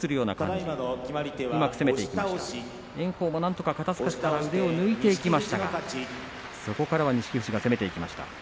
炎鵬がなんとか肩すかしから腕を抜いていきましたがそこから錦富士が攻めていきました。